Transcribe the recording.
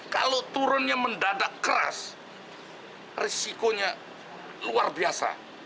kalau turunnya mendadak keras risikonya luar biasa